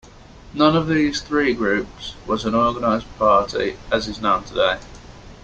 None of these three groups was an organized party as is known today.